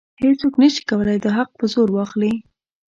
هیڅوک نشي کولی دا حق په زور واخلي.